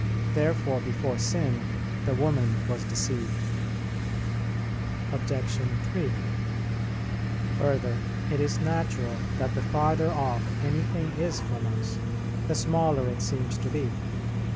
Therefore before sin the woman was deceived. Obj. 3: Further, it is natural that the farther off anything is from us, the smaller it seems to be.